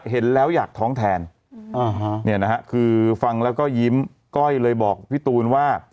เห็นแล้วอยากท้องแทนเนี่ยนะฮะคือฟังแล้วก็ยิ้มก้อยเลยบอกพี่ตูนว่า